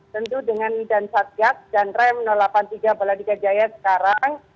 tentu dengan dan satgas dan rem delapan puluh tiga baladika jaya sekarang